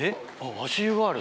足湯がある。